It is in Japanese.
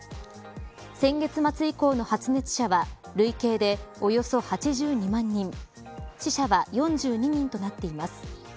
先月末以降の発熱者は累計でおよそ８２万人死者は４２人となっています。